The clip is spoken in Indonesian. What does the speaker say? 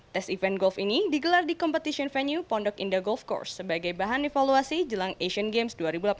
tes event golf ini digelar di competition venue pondok indah golf course sebagai bahan evaluasi jelang asian games dua ribu delapan belas